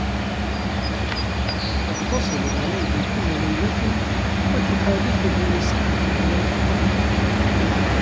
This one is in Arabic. تتصل عليه كل ليلة وتحادثه لساعة على الأقل.